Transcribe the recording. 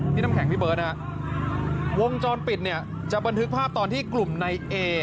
น้ำแข็งพี่เบิร์ตนะวงจรปิดเนี่ยจะบันทึกภาพตอนที่กลุ่มในเอ